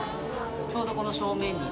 ちょうどこの正面に。